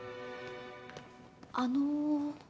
あの。